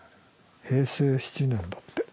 平成７年だって。